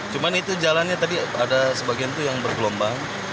cuma itu jalannya tadi ada sebagian yang bergelombang